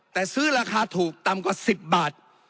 แต่ซื้อราคาถูกต่ำกว่า๑๐บาท